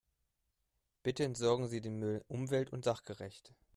Bitte entsorgen Sie den Müll umwelt- und sachgerecht.